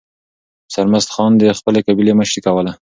سرمست خان د خپلې قبیلې مشري کوله.